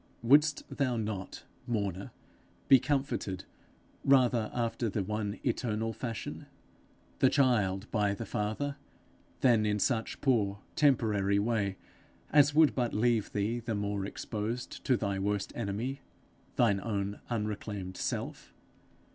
Wouldst thou not, mourner, be comforted rather after the one eternal fashion the child by the father than in such poor temporary way as would but leave thee the more exposed to thy worst enemy, thine own unreclaimed self?